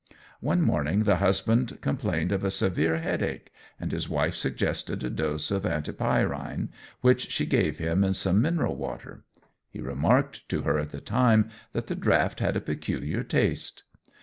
One morning the husband complained of a severe headache, and his wife suggested a dose of antipyrine, which she gave him in some mineral water. He remarked to her at the time that the draught had a peculiar taste.